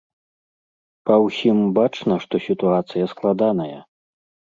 Па ўсім бачна, што сітуацыя складаная!